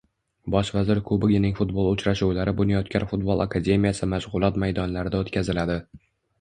Bosh vazir kubogining futbol uchrashuvlari Bunyodkor futbol akademiyasi mashg'ulot maydonlarida o'tkaziladi